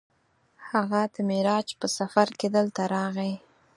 هغه د معراج په سفر کې دلته راغی.